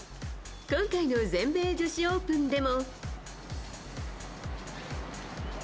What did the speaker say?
今回の全米女子オープンでも。